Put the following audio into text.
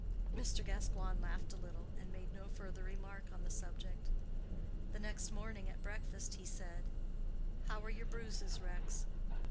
'" Mr. Gascoigne laughed a little, and made no further remark on the subject. The next morning at breakfast he said, "How are your bruises, Rex?"